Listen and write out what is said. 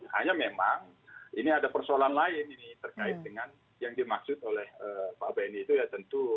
hanya memang ini ada persoalan lain ini terkait dengan yang dimaksud oleh pak benny itu ya tentu